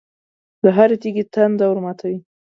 د هر تږي تنده ورماتوي.